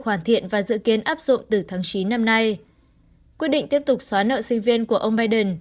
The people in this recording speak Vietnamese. hoàn thiện và dự kiến áp dụng từ tháng chín năm nay quyết định tiếp tục xóa nợ sinh viên của ông biden